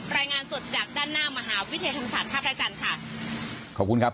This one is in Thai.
รายงานสดจากด้านหน้ามหาวิทยาธรรมศาสตร์ท่าพระจันทร์ค่ะขอบคุณครับ